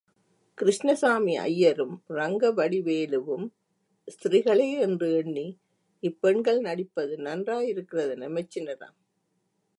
கிருஷ்ணசாமி ஐயரும், ரங்கவடிவேலுவும் ஸ்திரீகளே என்று எண்ணி, இப்பெண்கள் நடிப்பது நன்றாயிருக்கிறதென மெச்சினாராம்.